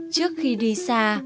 trước khi đi xa